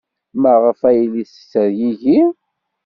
Maɣef ay la yettergigi?